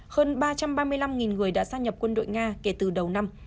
hơn ba trăm ba mươi năm người đã gia nhập quân đội nga kể từ đầu năm